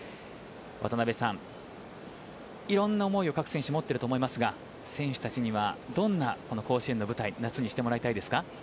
渡辺さん、いろんな思いを各選手持っていると思いますが、選手たちにはどんな甲子園の舞台にしてもらいたいですか。